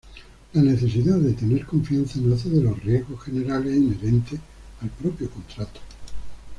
La necesidad de tener confianza nace de los riesgos generales inherentes al propio contrato.